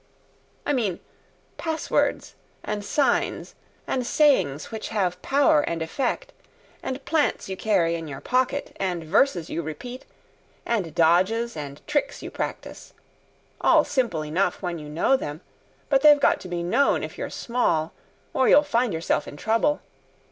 I mean passwords, and signs, and sayings which have power and effect, and plants you carry in your pocket, and verses you repeat, and dodges and tricks you practise; all simple enough when you know them, but they've got to be known if you're small, or you'll find yourself in trouble.